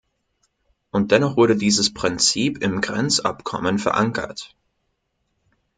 Und dennoch wurde dieses Prinzip im Grenzabkommen verankert.